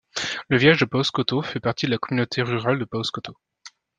Le village de Paoskoto fait partie de la communauté rurale de Paoskoto.